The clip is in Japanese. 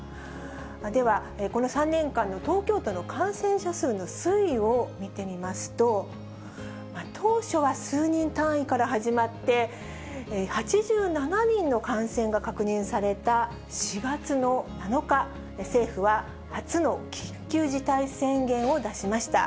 では、この３年間の東京都の感染者数の推移を見てみますと、当初は数人単位から始まって、８７人の感染が確認された４月の７日、政府は初の緊急事態宣言を出しました。